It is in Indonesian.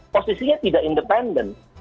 posisinya tidak independen